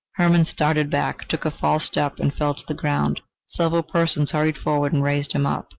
Hermann started back, took a false step and fell to the ground. Several persons hurried forward and raised him up.